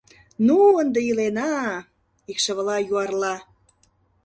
— Ну, ынде илена-а... — икшывыла юарла.